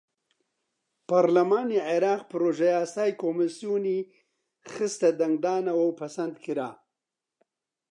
پەڕلەمانی عێراق پڕۆژەیاسای کۆمیسیۆنی خستە دەنگدانەوە و پەسەندکرا.